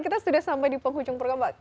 kita sudah sampai di penghujung program